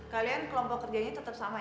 kalian kelompok kerjanya tetap sama ya